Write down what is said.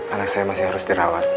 anak saya masih harus dirawat